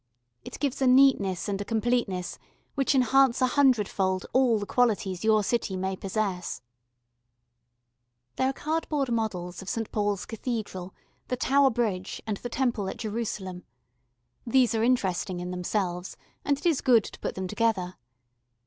It gives a neatness and a completeness which enhance a hundred fold all the qualities your city may possess. [Illustration: HONESTY ROOF.] There are cardboard models of St. Paul's Cathedral, the Tower Bridge, and the Temple at Jerusalem. These are interesting in themselves and it is good to put them together.